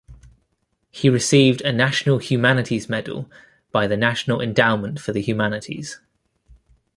He received a National Humanities Medal by the National Endowment for the Humanities.